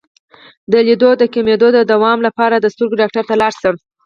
د لید د کمیدو د دوام لپاره د سترګو ډاکټر ته لاړ شئ